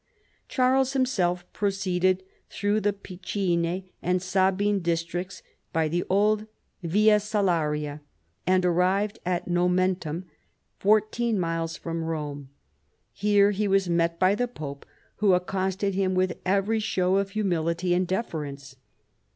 Charles himself proceeded through the Picene and Sabine districts by the old Via Solaria, and arrived atNomentura, fourteen miles from Rome. Here he was met by the pope, who accosted him with every show of humility and deference.